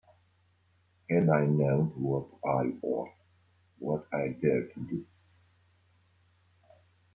Had I known what I ought, what I dared to do!